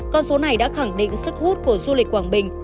con số này đã khẳng định sức hút của du lịch quảng bình